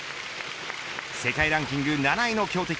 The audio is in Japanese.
世界ランキング７位の強敵